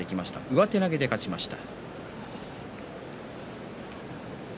上手投げで勝ちました。